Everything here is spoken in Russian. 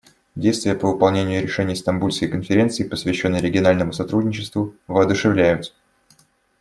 Действия по выполнению решений Стамбульской конференции, посвященной региональному сотрудничеству, воодушевляют.